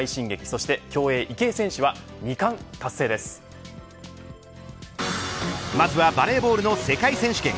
そして競泳池江選手はまずはバレーボールの世界選手権。